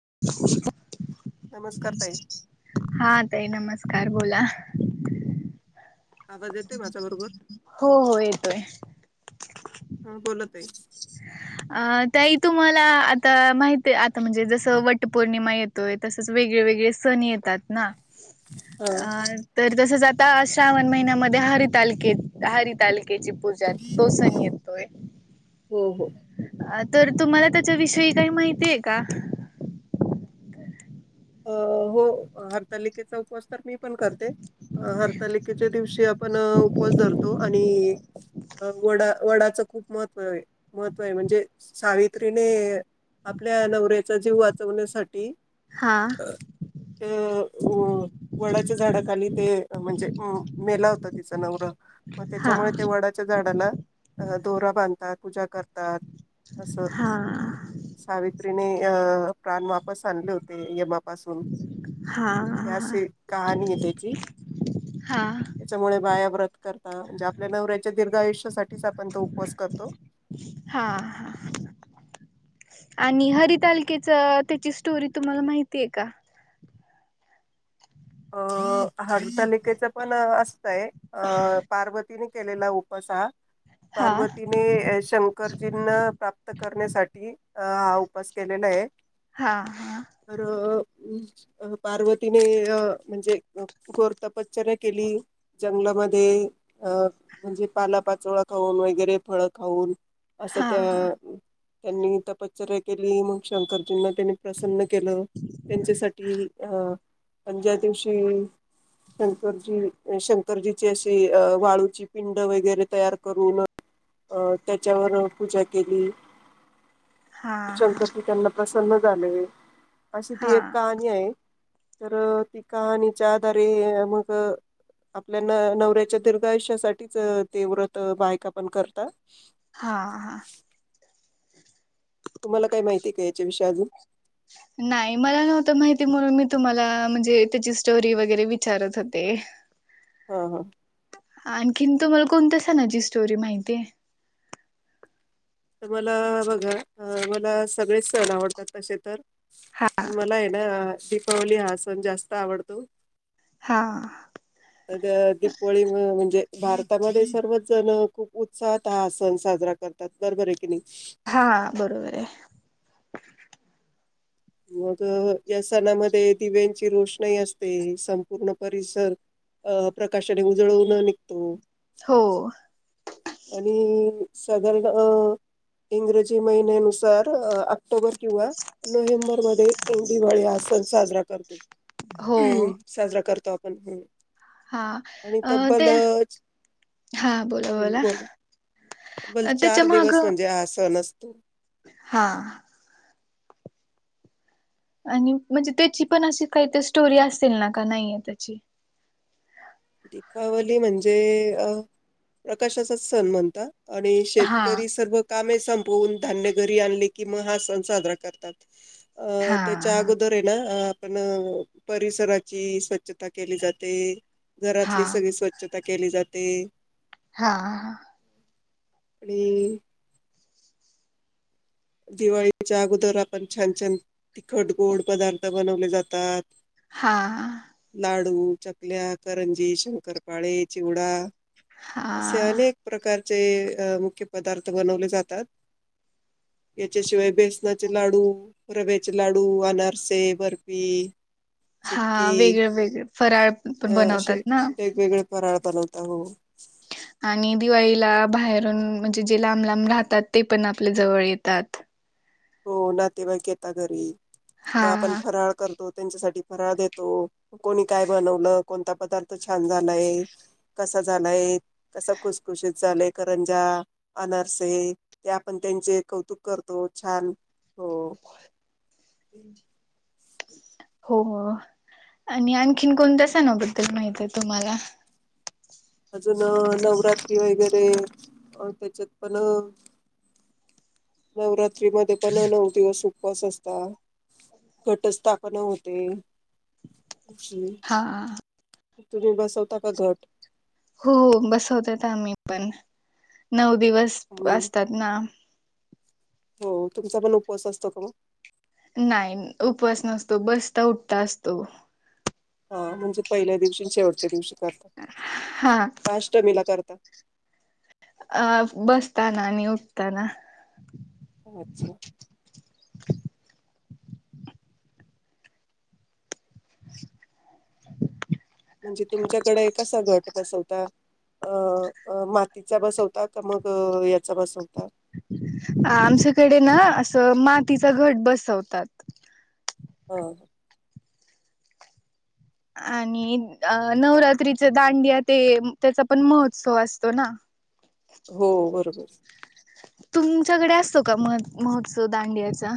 [unintelligible] नमस्कार ताई. हा ताई नमस्कार बोला. आवाज येतोय माझ्या बरोबर हो हो येतोय. हा बोला ताई. अ ताई तुम्हाला आता माहित आता म्हणजे जसं वट पौर्णिमा येतोय, तसच वेगळे वेगळे सण येतात. हा [unintelligible] तर तसच आता श्रावण महिन्यामध्ये हरितालिकेत हरितालिक ची पूजा तो सण येतोय हो हो. तर तुम्हाला त्याच्याविषयी काही माहिती आहे का. अ हो हरतालिकेचा उपवास तर मी पण करते. हरतालिकेच्या दिवशी आपण उपवास धरतो आणि वडा वडाचं खूप महत्त्व महत्त्व आहे म्हणजे सावित्रीने आपल्या नवऱ्याचा जीव वाचवण्यासाठी हा अ अ वडाच्या झाडाखाली ते म्हणजे अ मेला होतात. तिचा नवरा मग त्याच्यामुळे ते वडाच्या झाडाला दोरा बांधतात. पूजा करतात. असं हा सावित्री प्राण वापस आणले होते. ते यमा पासून हा हा. अशी कहाणी आहे त्याची हा त्याच्यामुळे बाया व्रत करता म्हणजे आपल्या नवऱ्याच्या दीर्घ आयुष साठी आपण तो उपवास करतो. हा हा आणि हरतालीकेच त्याची स्टोरी तुम्हाला माहितीय का. ह हारतालिकेच पण असतंय अ पार्वतीनी केलेला उपास हा. हा पार्वतीने शंकरजींना प्राप्त करण्यासाठी? अ हा उपास केलेला आहे. हा हा खर म् अ पार्वतीने अ म्हणजे घोर तपच्चर्या केली जंगलामध्ये अ म्हणजे पाला पाचोळा खाऊन वगैरे फळ खाऊन असं हा हा. त्या त्यांनी तपश्चर्या केली मग शंकरजींना त्यांनी प्रसन्न केलं त्यांच्यासाठी अ अंजन दिवशी शंकरजी शंकरजीची अशी अ वाळूची पिंड वगैरे तयार करून अं त्याच्यावर पूजा केली. हा शंकरजी त्यांना प्रसन्न झाले. अशी हा हा ती एक कहाणी आहे. तर त कहाणीच्या आधारे मग आपल्या न नवऱ्याच्या दीर्घा आयुष्यासाठीठीच ते व्रत बायक आपण करत हा हा तुम्हाला काय माहिती का याच्याविषयी अजून नाही मला नव्हत माहिती म्हणून मी तुम्हाला म्हणजे त्याची स्टोरी वगैरे विचारत होते हा हा आणखीन तुम्हाला कोणत सणाझी स्टोरी माहितीय तर मला बघा मला सगळे सण आवडतात तसे तर हा पण मला आहे ना दीपावली हा सण जास्त आवडतो हा अ दीपावळी म्हणजे भारतामध्ये सर्वच जण खूप उत्साहात हा सण साजरा करतात बरोबर आहे की नाही? हा बरोबर आहे मग या सणामध्ये दिव्यांची रोषणाही असते संपूर्ण परिसर अ प्रकाशाने उजळवून निघतो हो आणि साधारण अ इंग्रजी महिन्यानुसार ऑक्टोबर किंवा नोव्हेंबर मध्ये दिवाळी हा सण साजरा करतो हो साजरा करतो आप पण हा अ ते हा बोला बोला बल त्याच्या चार माग दिवस म्हणजे आ सणच त हा आणि म्हणजे त्याची पण अशी काहीत स्टोरी असे ना का नाहीय त्याची दीपावली म्हणजे अ प्रकाशाचाच सण म्हणताात आणि हा शेतकरी सर्व कामेच संपवून धान्य घरी आणले कि म हा सण साजरा करतात अ हा त्याच्या अगोदर आहे ना पण परिसराची स्वच्छता केली जाते हा घरातली सगळी स्वच्छ केली जाते हा अडी दिवाळीच्या अगोदर आपण छान छान तिखट गोड पदार्थ बनवले जातात हा डू चकल्या करंजी शंकरपाळे चिवडा हा असे हा अनेक प्रकार मुख्य पदार्थ बनवले जातात? याच्याशिवाय बेसनाचे लाडू, रव्याचे लाडू, अनारसे, बर्फी. हा चिक्की वेगळे वेगळे फराळ अ पण बनवतात असे ना.? वेगवेगळे [unintelligible] आणि दिवाळीला बाहेरून म्हणजे जे लांब लांब राहतात ते पण आपल्या जवळ येतात. हो नातेवाईक येता घरी. हा मग आपण फराळ करतो- त्यांच्यासाठी फराळ देतो कोणी काय बनवलं कोणता पदार्थ छान झालाय कसा, झालाय कसाई, खुसखुशीत झालय, करंजा, अनारसे ते आपण त्यांचे कौतुक कर तो,. छान हो- हो आणि आणखीन कोणत्या सनाबद्दल माहित आहे तुम्हाला? अजून नवरात्री वगैरे? [unintelligible] [unintelligible] मध्ये पण नऊ दिवस. उपवास असत, घटस्थापन होते- जी हा तुम्ही बसवता का घट? हो बसवतेत आम्ही पण नऊ. - दिवस हम्म. असतात ना- हो तुमचा पण उपवास असतो का हो.? नाही उपवास नसतो बसता उठता असतो.. - हा म्हणजे पहिल्या दिवशी शेवटच्या दिवशी. - [unintelligible] हा अष्टमीला करतां. बसताना आणि उठताना. - अच्छा म्हणजे तुमच्याकडे कसा घट बसवता, अ मातीचा बसवता, का मग याचा बसवता आमच्याकडे ना असं मातीचा घट बसवतात. हो. आणि नवरात्रीचे दांडिया ते त्याचा पण महोत्सव असतो ना-? हो बरोबर. - तुमच्याकडे असतो का मगं महोत्सव दांडियाचा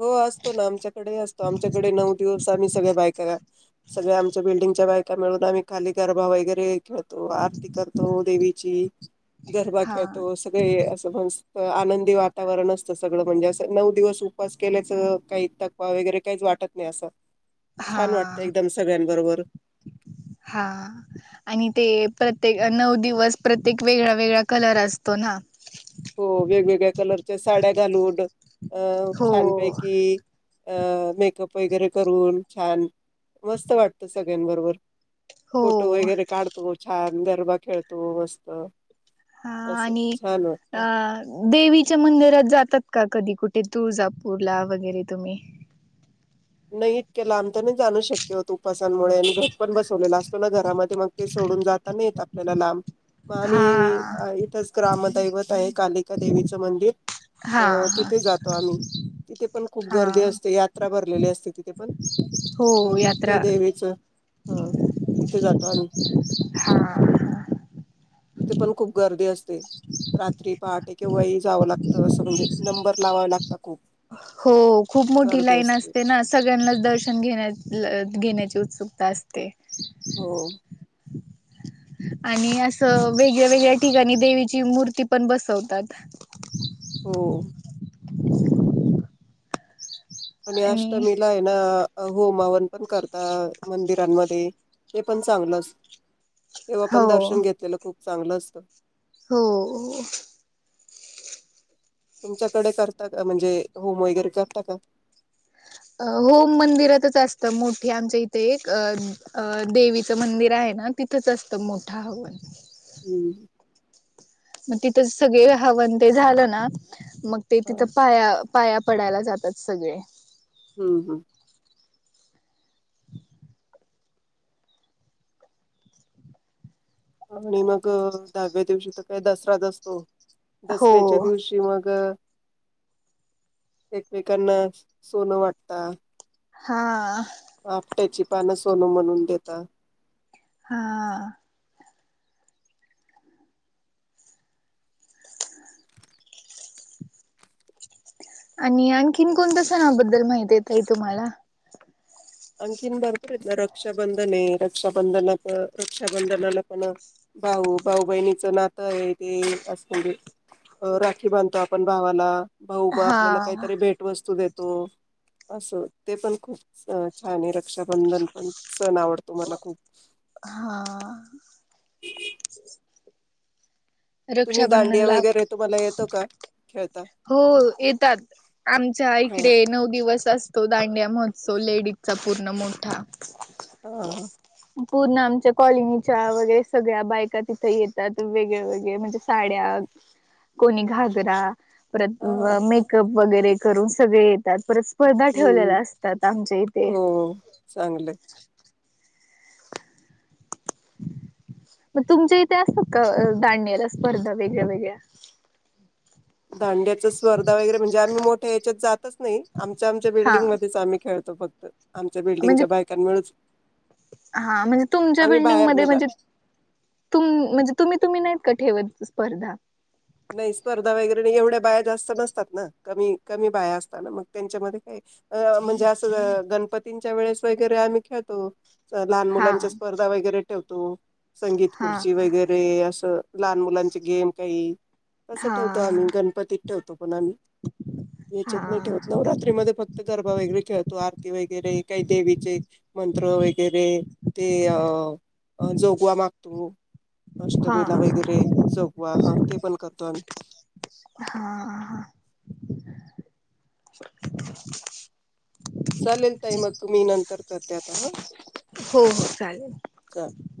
हो असतो ना आमच्याकडे असतो आमच्याकडे नऊ दिवस आम्ही- सगळ्या बायका सगळ्या आमच्या बिल्डिंगच्या बायका मिळून आम्ही खाली गरबा वैगैरे खेळतो आरती करतो देवीची--. गरबा हा खेळतो सगळे अस. आनंदी वातावरण असतं सगळं म्हणजे अस नऊ दिवस.. [unintelligible] केल्याचं काही तकवा वगैरे काहीच वाटत नाही असं हा छान वाटतं एकदम सगळ्यांबरोबर हा आणि ते प्रत्येक नऊ दिवस प्रत्येक वेगळा वेगळा कलर असतो ना हो वेगवेगळ्या कलरच्या साड्या घालूड अं हो छानपैकी अ मेकअप वगैरे करून छान मस्त वाटतस सगळ्यां बरोबर हो फोटो वगैरे काढतो छान गरबा खेळतो बसत हा असं आणि छान वा अ देवीच्या मंदिरात जातात का कधी कुठे तुळजापूरला वगैरे तुम्ही नाही इतकला आम तर जाणू शक्य होत उपसाांमुळे आणि घट पण बसवलेला असत तुला घरामध्ये मग ते सोडून जाताना येतात त्या नाम मग हा आम्ही इथंच ग्रामदैवत आहे कालिका देवीचं मंदिर हा अ हा तिथे जातो आम्ही तिथे पण खूप हा गर्दी असते यात्रा बर [inaudible] तिथे पण हो मग यात्रा ते देवीच ह तिथे जात तल हा तथे पण खूप गर्दी असते रात्री पहाटे किंवाही जावं लागत असं म्हणजे नंबर लावावे लागत खूप हो खूप मोठी लाईन असते ना सगळ्यांनाच दर्शन घेण्या घेण्याची उत्सुकता असते हो आणि असं वेगळ्या वेगळ्या ठिकाणी देवीची मूर्ती पण बसवतात हो आणि अष्टमीला आहे ना होमावन पण करता मंदिरांमध्ये ते पण चांगलंच तेव्हा हो पण दर्शन घेतलेलं खूप चांगलं असत हो तुमच्याकडे करता का म्हणजे होम वगैरे करता का होम मंदिरातच असत मोठी आमच्या इथे एक देवीचं मंदिर आहे ना तिथंच असतं मोठं हवन हम्म म तिथं सगळे हवन ते झालं ना मग ते हा. तिथं पाया पाया पडायला जातात सगळे. हम्म हम्म. आणि मग दहाव्या दिवशी तर काय दसराच असतो. हो दसऱ्याच्या दिवशी मग अ एकमेकांना सोनं वाटतात. हां. आपट्याची पानं सोन म्हणून देतात. हां. आणि आणखीन कोणत्या सणांबद्दल माहिती आहे ताई तुम्हाला? आणखीन भरपूर आहेत ना, रक्षाबंधनये रक्षाबंधना प रक्षाबंधनाला पण भाऊ भाऊ बहिणीचं नातंय, ते असत म्हंजे राखी बांधतो आपण भावाला. भाऊ बा हा आपल्याला काहीतरी भेट वस्तू देत तो अस ते पण खूप च अ छान य रक्षाबंधन पण सण आवडतो मला खूप. हां. तुम्ही दांडिया वगैरे तुम्हाला येतो का? खेळता. हो येतात आमच्या हा इकडे नऊ दिवस अस तो दांडिया महोत्सव लेडीजचा पूर्ण मोठा हा हा पूर्ण आमच्या कॉलनीच्या वगैरे सगळ्यां बायका तिथे येतात वेगळे वेगळे म्हणजे साड्या, कोणी घागरा परत हा मेकअप. वगैरे करून सगळे येतात. परत स्पर्धा हम्म ठेवलेल्या असतात आमच्या इथे. हो चांगलं मगं तुमच्या इथे असतात का? दांडियाला स्पर्धा वेगळ्या वेगळ्या. दांडियाच्या स्पर्धा वगैरे म्हणजे आम्ही मोठ्या ह्याच्यात जातच नाही आमच्या आमच्या हा बिल्डिंगमध्येच आम्ही खेळ फक्त. आमच्या म्हणजे बिल्डिंगच्या बायकां मिळूच हा म्हणजे तुमच्या आम्ही बिल्डिंग बाहेर मध्ये नाही जात म्हणजे तुम म्हणजे तुम्ही तुम्ही नाही ठेवत स्पर्धा नाही स्पर्धा वगैरे एवढ्या बाया जास्त नसतात ना, कमी कमी बाया असतातना मग, त्यांच्यामध्ये काय म्हणजे असं गणपतींच्या वेळेस वगैरे आम्ही खेळतो. लहान हा मुलांच्या स्पर्धा वगैरे ठेवतो. संगीत हा खुर्ची वगैरे असं. लहान मुलांची गेम काही. तसं हा ठेवतो आम्ही गणपती ठेवतो. हा याच्यात नाही ठेवत नवरात्रीमध्ये फक्त गरबा वगैरे, खेळतो आरती वगैरे, काही देवीचे मंत्र वगैरे. ते अ. अ जोगवा मागतो. हा अष्टमीला हा वगैरे चोगवा हा ते पण. [unintelligible] हा हा. चालेल ताई मगं मी नंतर करते आता. हो चालेल. चालेल